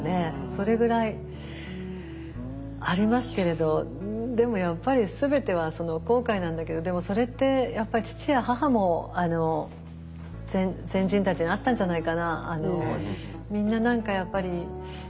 それぐらいありますけれどでもやっぱりでもそれって父や母も先人たちにあったんじゃないかな。